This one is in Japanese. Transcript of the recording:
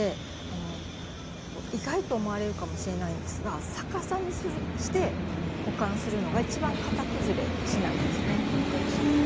意外と思われるかもしれないんですが逆さにして保管するのがいちばん型崩れしないですね。